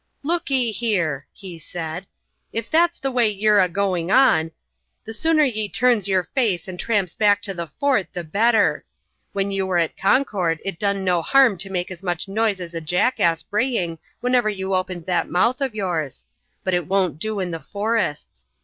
"Look ee here," he said, "if that's the way ye're a going on, the sooner ye turns yer face and tramps back to the fort the better. When you were at Concord it done no harm to make as much noise as a jackass braying whenever you opened that mouth of yours, but it won't do in the forests.